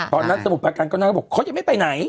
พอฉันสมุดประการก้าวหน้าเขาบอกเขายังไม่ไปไหน